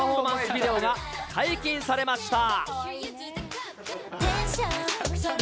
ビデオが解禁されました。